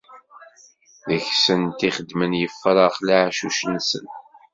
Deg-sent i xeddmen yifrax leɛcuc-nsen.